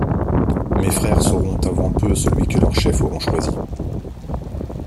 Mes frères sauront avant peu celui que leurs chefs auront choisi.